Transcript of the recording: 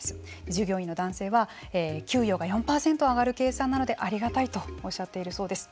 従業員の男性は給与が４％上がる計算なのでありがたいとおっしゃっているそうです。